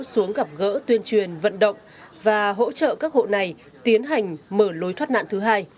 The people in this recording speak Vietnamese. xuống gặp gỡ tuyên truyền vận động và hỗ trợ các hộ này tiến hành mở lối thoát nạn thứ hai